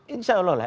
insya allah lah